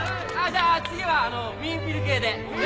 じゃあ次はウィーンフィル系で。